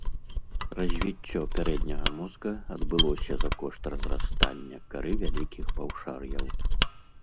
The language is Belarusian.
Развіццё пярэдняга мозга адбылося за кошт разрастання кары вялікіх паўшар'яў.